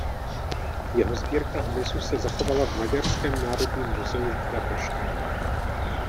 Jeho sbírka hmyzu se zachovala v Maďarskem národním muzeu v Budapešti.